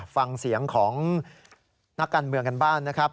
ฟังเสียงของนักการเมืองกันบ้างนะครับ